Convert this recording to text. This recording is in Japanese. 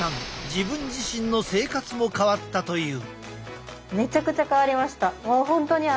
自分自身の生活も変わったという。